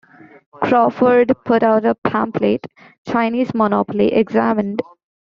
Crawfurd put out a pamphlet, "Chinese Monopoly Examined".